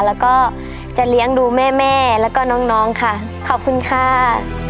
แล้วก็จะเลี้ยงดูแม่แม่แล้วก็น้องน้องค่ะขอบคุณค่ะ